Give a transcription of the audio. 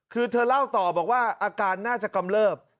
คือเธอเล่าต่อบอกว่าอาการน่าจะกำเลิบ